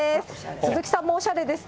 鈴木さんもおしゃれです。